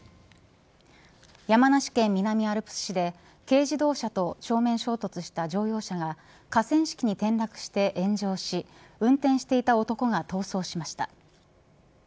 山梨県南アルプス市で軽自動車と正面衝突した乗用車が河川敷に転落して炎上し運転していた男が逃走しました。